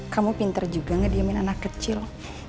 kamu pinter juga ngediemin anak kecil